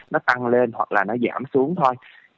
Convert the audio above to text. nó tăng lên hoặc là nó giảm xuống thôi